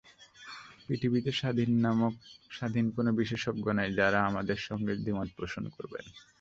পৃথিবীতে স্বাধীন কোনো বিশেষজ্ঞ নেই, যাঁরা আমাদের সঙ্গে দ্বিমত পোষণ করবেন।